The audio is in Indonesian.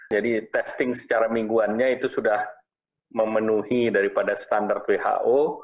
jadi testing secara mingguannya itu sudah memenuhi daripada standar who